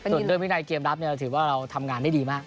ส่วนเรื่องวินัยเกมรับเราถือว่าเราทำงานได้ดีมาก